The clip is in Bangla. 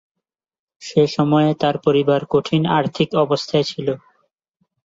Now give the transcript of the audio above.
সে সময়ে তার পরিবার কঠিন আর্থিক অবস্থায় ছিল।